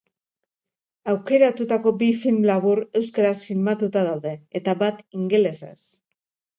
Aukeratutako bi film labur euskaraz filmatuta daude, eta bat ingelesez.